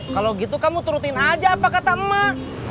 kalau gitu kamu turutin aja apa kata emak